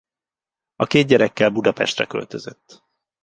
A két gyerekkel Budapestre költözött.